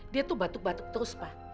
dia tuh batuk batuk terus pak